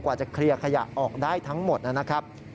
จะเคลียร์ขยะออกได้ทั้งหมดนะครับ